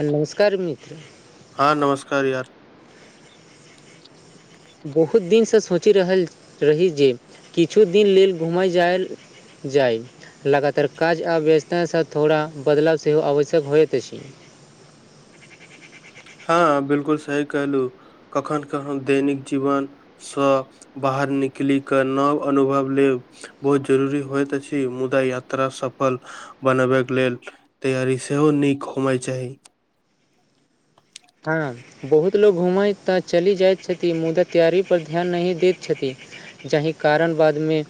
नमस्कार मित्र हँ नमस्कार यार बहुत दिन से सोइच रहल रही जे किछु दिन लेल घुमय जायल जाइ लगातार काज आ व्यसतास थोड़ा बदलाव सेहो आवश्यक होइत अछि हँ बिलकुल सही कहलहु कखन कन दैनिक जीवन सँ बाहर निकलि क नव अनुभव लेब बहुत जरूरी होइत अछि मुदा यात्रा सफल बनबके लेल तैयरी सेहो नीक होमाय चाही हं बहुत लोकोग घूमैत तऽ चली जाइत छथिन मुदा तैयारी पर ध्यान नहि दैत छथिन जहि कारण बाद मे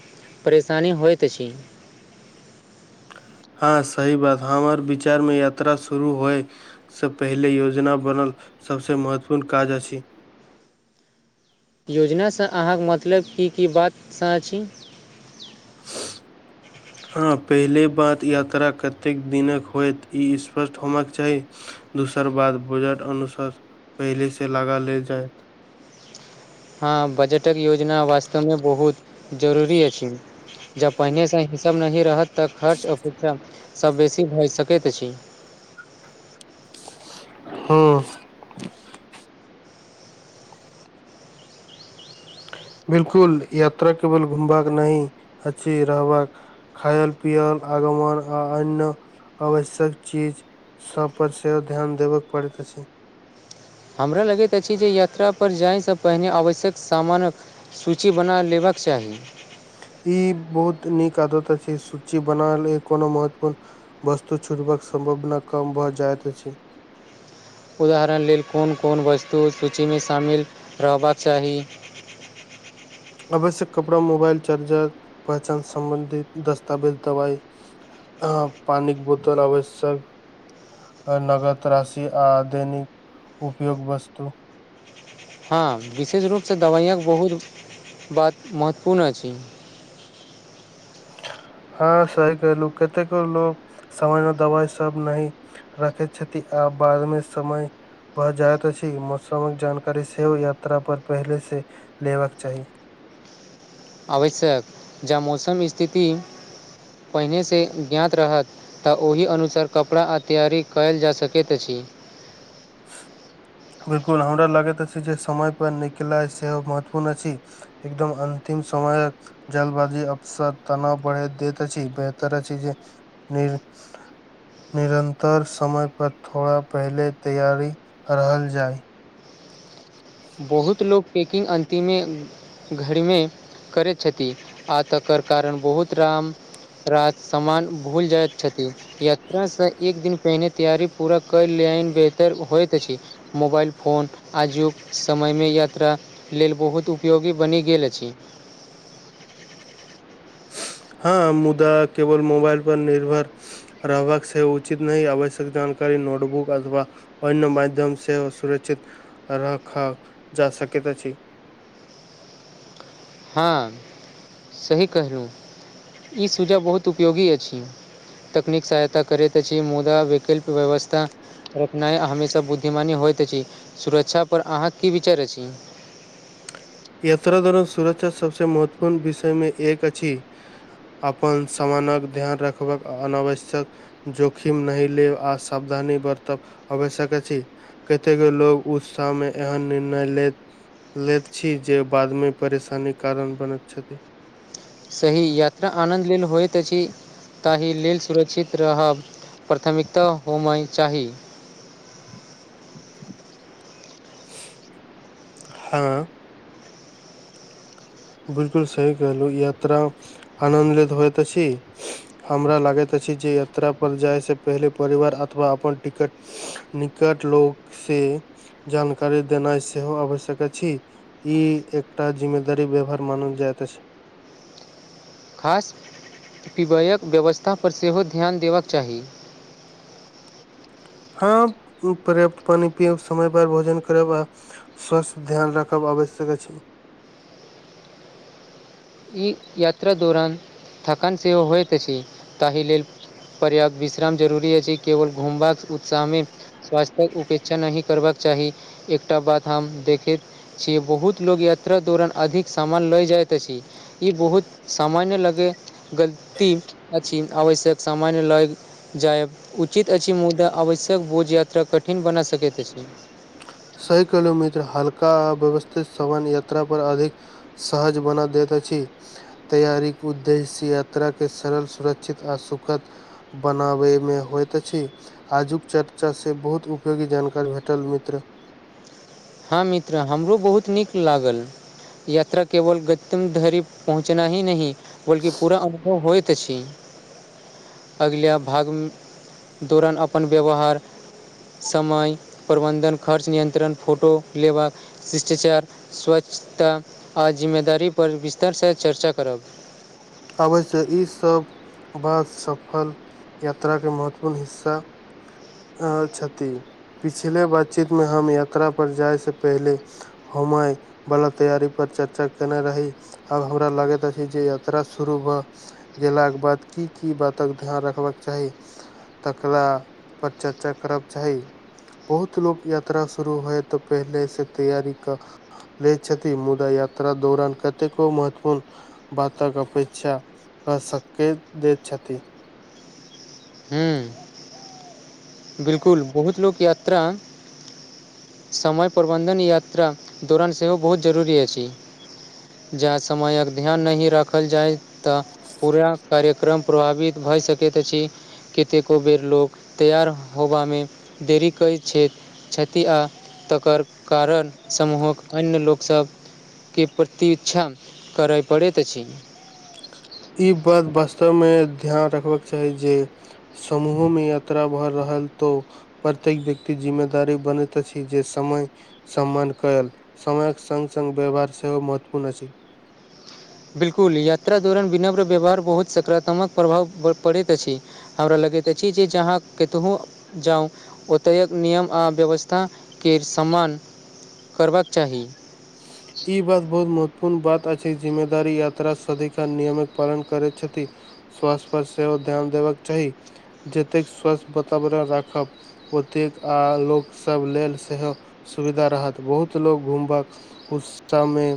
परेशानी होइत अछि हँ सही बात हमर विचार मे यात्रा शुरू होय से पहिले योजना बनल सबसे महत्वपूर्ण काज अछि योजनासँ अहाँक मतलब की की बातस अछि हँ पहिले बात यात्रा कतेक दिनक होयत ई स्पष्ट होबाक चाही दोसर बात बेगर अनुसार पहिले से लगा लेल जायत हँ बजटक योजना वास्तव मे बहुत जरूरी अछि जँ पहिने से हिस नहि रहत तऽ खर्च अपेक्षा से बेसी भऽ सकैत अछ हूँ बिलकुल यात्रा केवल घुमबाक नहि अछि रहबाक खायल पियल आगमन आ अन्य आवश्यक चीज सब पर सेहो ध्यान देबय पड़ैत अछ हमरा लगैत अछि जे यात्रा पर जाय से पहिने आवश्यक सामानक सूची बना लेबाक चाही ई बहुत नीक आदत अछि सूची बनाले कोनो महत्वपूर्ण वस्तु छुटबाक सम्भावना कम भऽ जाइत अछि उदाहरण लेल कोन कोन वस्तु सूचीमे शामिल रहबाक चाही आवश्यक कपड़ा, मोबाइल चार्जर, पहचान संबंधित दस्तावेज, दवाई। हँ, पानिके बोतल आवश्यक। नगद राशि आ आधुनिक उपयोगक वस्तु। हँ, विशेष रूपसँ दवाइयक बहुत बात महत्वपूर्ण अछि। हँ, सही कहलहुँ, कतेक लोक सामान दबा सँ नहि। रखैत छथि आ बादमे समय। भऽ जायइत अछि मौसमक जानकारी सेहो यात्रा पर जाएसँ पहिने लऽ लेबाक चाही। आवश्यक, जँ मौसमक स्थिति पहिनेसँ ज्ञात रहत। तऽ ओहि अनुसार कपड़ा आ तैयारी कयल जा सकैत अछि। [inaudible] बिल्कुल, हमरा लगैत अछि जे समय पर निकलनाइ बहुत महत्वपूर्ण अछि। एकदम अंतिम समय कऽ जल्दबाजी अक्सर तनाव बढ़ा दैत अछि, बेहतर अछि जे नहि। निरन्तर समयसँ थोड़ा पहिने तैयारी रहल जाइ। बहुत लोक पैकिंग अन्तिमे करैत छथि। घरमे करैत छथि आ तकर कारण बहुत राम रात सामान भूलि जाइत छथि। यात्रासँ एक दिन पहिने तैयारी पूरा कऽ लेनाइ बेहतर होइत अछि। मोबाइल फोन आजुग। समयमे यात्रा लेल बहुत उपयोगी बनि गेल अछि। हँ, मुदा केवल मोबाइल पर निर्भर। रहबाक से उचित नहि, आवश्यक जानकारी नोटबुक अथवा। अन्य माध्यम सेहो सुरक्षित राखल जा सकैत अछि। हँ, सही कहलहुँ, ई सुझाव बहुत उपयोगी अछि। तकनीक सहायता करै छै, मुदा वैकल्पिक व्यवस्था। रखनाइ हमेशा बुद्धिमानी होइत अछि। सुरक्षा पर अहाँके की विचार अछि? यात्रा दौरान सुरक्षा सबसे महत्वपूर्ण विषयमे एक अछि। अपन सामानक ध्यान रखब आवश्यक। जोखिम नहि लेब आ सावधानी बरतब आवश्यक अछि। कतेको लोक उत्साहमे एहन निर्णय लऽ लैत छथि। छी जे बादमे परेशानीक कारण बनैत छथि। सही यात्रा आनन्द लेल होइत छी। ताहि लेल सुरक्षित रहब प्राथमिकता होम चाही। हँ बिल्कूल सही कहलहु यात्रा आनन्द होइत छी हमरा लागैत अछि जे यात्रा पर जायसँ पहिले परिवार अथवा अपन टिकट निकट लोक से। जानकारी देनाइ सेहो आवश्यक अछि। ई एकटा जिम्मेदारीपूर्ण व्यवहार अछि। मानल जाइत छै। खास पिबयके व्यवस्थापर सेहो ध्यान देबाक चाही। हँ, पर्याप्त पानि पिब, समयपर भोजन करब आ। स्वस्थ पर ध्यान राखब आवश्यक अछि। ई यात्रा दौरान थकान सेहो होइ छै, ताहि लेल। पर्याप्त विश्राम जरूरी अछि, केवल घुमबाक उत्साहमे। स्वास्थ्यक उपेक्षा नहि करबाक चाही। एकटा बात हम देखै छी। बहुत लोक यात्रा दौरान अधिक सामान लऽ जाइत अछि। ई बहुत सामान्य गलती अछि, आवश्यक सामान्य लग। जायब उचित अछि मुदा आवश्यकसँ बेसी बोझ यात्रा कठिन बना सकैत अछि। सही कहलहुँ मित्र, हल्का आ व्यवस्थित सामान यात्रा पर अधिक उपयोगी होइत अछि। सहज बना दैत छी। तैयारी उद्देश्य यात्रा क सरल सुरक्षित आ सुखद बनाबय में होइत अछि आजुक चर्चा से बहुत उपयोगी जानकारी भेटल मित्र हँ मित्र हमरो बहुत नीक लागल याता केवल गतम धरि पहुँचना ही न नै बल्कि पूरा अनुभव होय छी अगिला भाग दौरान अपन व्यवहार समय प्रबन्धन खर्च नियंत्रण फोटो लेबाका शिष्टाचार स्वच्छता आ जिम्मेदारी पर विस्तरसँ चर्चा करब अबै छै ईसब बस सफल यात्रा के महत्वपूर्ण हिस्सा अ छथि पिछले बातचीत मे हम यात्रा पर जाय स पहिले हो वला तैयारी पर चर्चा केने रही आब हमरा लागैत अछि जे शुरू भऽ गेलाक बाद की की बातक ध्यान रखबाक चाह तकरा पर चर्चा करके चाही बहुत लोको यात्रा शुरू होय तऽ पहिलेसँ तैयारी लय छथि मुदा याता दौरान कतेको महत्वपूर्ण तक अपेक्षाक सकैत दैत छथि हूँ बिलकुल बहुत लोकयात्रा समय प्रबन्धन यात्रा दौरान सेहो बहुत जरूरी अछि ज समयक ध्यान नै राखल जाय तऽ पूरा कार्य क्रम प्रभावित भय सकैत अछि कतेको बेर लोक तैयार होबा में देरी कै क्ष क्षति आ तकर कारण समूहक अन्य लोकसब के प्रतीक्षा करय पड़ैत अछि इ बात वास्तव मे ध्यान रखबाक के चाही जे समूह में यात्रा बढ़ रहल तो प्रत्येक व्यक्ति जिम्मेदारी बनैत छै जे समय सम्मान कयल समयक संग संग व्यवहार सेहो महत्वपूर्ण अछि बिल्कुल यात्रा दौरान विनम्र व्यवहार बहुत सकारात्मक प्रभाव पड़ैत अछि हमरा लगैत अछि जे ज अहाँ कतहु जाऊ ओतय नियम आ व्यवस्था के सम्मान करबाक चाही ई बात बहुत महत्वपूर्ण बात अछि जिम्मेदार यात्रा सदिका नियम पालन करे छथि स्वास्थ्य पर सेहो ध्यान देबाक चाही जतेक स्वास्थ वातावरण राखब ओतेक आ लोक सब लेल सेहो सुविधा रहत बहुत लोग घूमबक उस में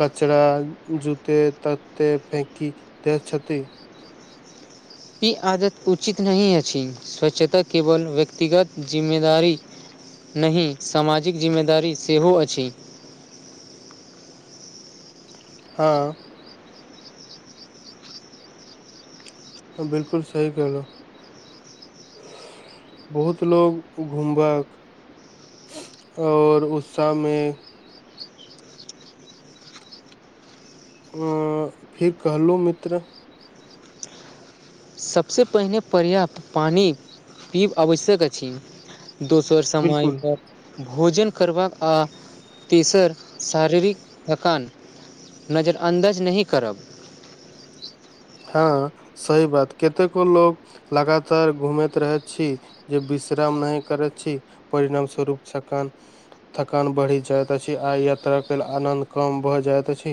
कचड़ा जुते तते फेंकी दे ई आदत उचित नै अछि स्वच्छता केवल व्यक्तिगत जिम्मेदारी नै सामाजिक जिम्मेदारी सेहो अछि हँ हँ बिल्कुल सही कहलुँ बहुत लो घूमबाक ओर उतसामे फेर कहलहुँ मित्र सभसँ पहिने पर्याप्त पइन पीब आवश्यक अछि दोसर समय बिलकुल पर भोजन करबाक आ तेसर शारीरिक थकान नजरअन्दाज नहि करब हँ सही बात कतेको लोग लगातार घूमैत रहै छी जे विश्राम नहि करै छी परिणाम स्वरूप सक थकान बढ़ि जाइत अछि आ यात्राके लेल आनन्द कम भऽ जाइत अछ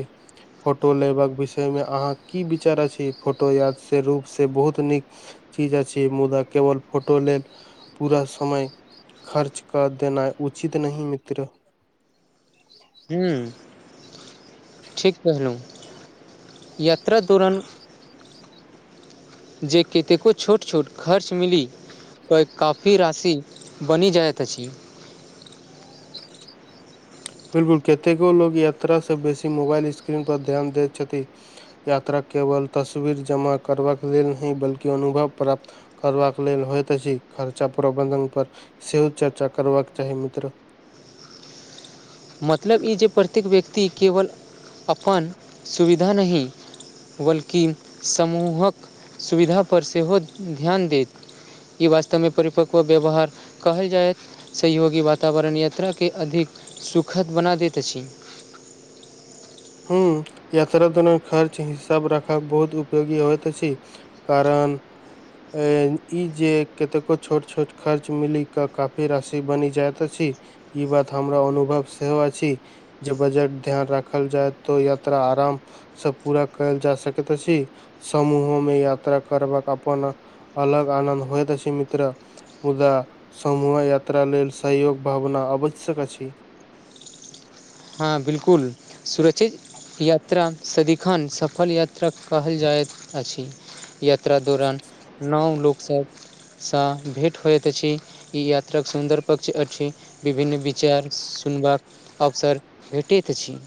फोटो लेबाक विषय में अहाँ की विचार फोटो याद से रूप से बहुत नीक चीज अछि मुदा केवल फोटो लेल पूरा समय खर्च कर देना उचित नै मित्र हूँ ठीक कहलहुँ यात्रा दौरान जे कतेको छोट छोट खर्च मिल के काफी राशि बइन जाइत अछि बिलकुल कतेको लोग यात्रास स बेसी मोबाइल स्क्रीन पर ध्यान दैत छथि यात्रा केवल तस्वीर जमा करबाक लेल न बल्कि अनुभव प्राप्त करबाक लेल होइत छै खर्चा प्रबंधन पर सेहो चर्चा करबाक चाही मित्र मतलब ई जे प्रत्येक व्यक्ति केवल अपन सुविधा नहि बल्कि समूहक सुविधा पर सेहो ध्यान देत ई वास्तव में परिपकव व्यवहार कहल जाय सहयोगी वातावरण यात्रा के अधिक खत बना दैत अछि हू यात्रा दौरान खर्च हिसाब राखब बहुत उपयोगी होइत अछि कारण अ इ जे कतेको छोट छोट खर्च मिली के काफी राशि बनि जाइत अछि ई बात हमरा अनुभव सेहो अछि जे बजट ध्यान राखल जाय तो यात्रा आरामस पूरा कयल जा सकैत छी समूह मे याता करबाक अपन अलग आनन्द होए त छै मित्र मुदा समूह यात्रा लेल सहयक भावना आवश्यक अछ हँ बिलकुल सुरक्षित यात्रा सदिखन सफल यात्रा कहल जाइत अछि यात्रा दौरान नओ लोकसभसँ भेंट होइत अछि ई यात्रा सुन्दर पक्ष अछि विभिन्न विचार सुनबाक अवसर भेटैत त छी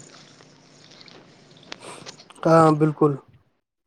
हँ बिलकुल